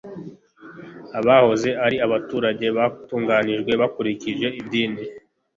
abahoze ari abaturage batunganijwe bakurikije idini